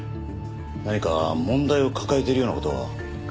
何か問題を抱えてるような事は？